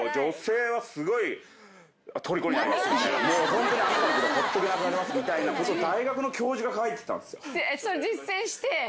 「ホントにあなたのことほっとけなくなります」みたいなこと大学の教授が書いてたんすよ。